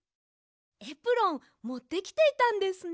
エプロンもってきていたんですね。